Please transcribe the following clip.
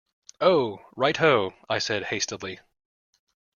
"Oh, right ho," I said hastily.